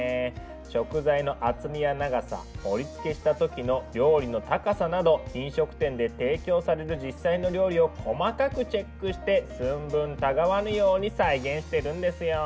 食材の厚みや長さ盛りつけした時の料理の高さなど飲食店で提供される実際の料理を細かくチェックして寸分たがわぬように再現してるんですよ。